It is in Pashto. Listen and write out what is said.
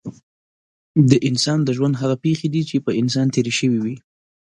د انسان د ژوند هغه پېښې دي چې په انسان تېرې شوې وي.